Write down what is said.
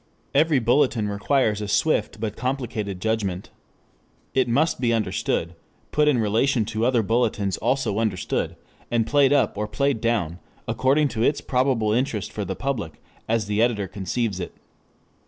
Every bulletin requires a swift but complicated judgment. It must be understood, put in relation to other bulletins also understood, and played up or played down according to its probable interest for the public, as the editor conceives it.